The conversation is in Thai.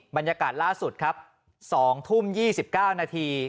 บรรยากาศล่าสุดครับ๒ทุ่ม๒๙นาที